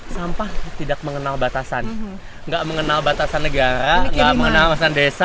sampah tidak mengenal batasan gak mengenal batasan negara gak mengenal batasan desa peduli amat gitu kan